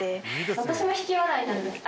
私も引き笑いなんですよ。